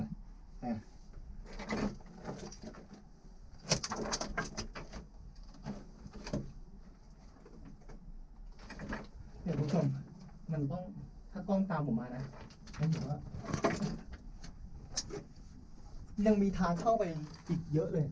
นี่คุณผู้ชมมันต้องถ้ากล้องตามผมมานะยังมีทางเข้าไปอีกเยอะเลยค่ะ